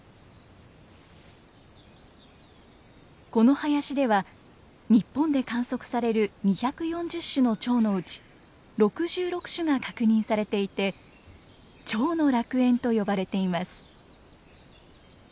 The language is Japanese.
この林では日本で観測される２４０種のチョウのうち６６種が確認されていてチョウの楽園と呼ばれています。